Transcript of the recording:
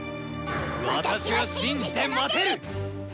私は信じて待てる！